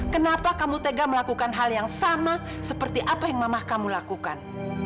kenapa kamu tega melakukan hal yang sama seperti apa yang mamah kamu lakukan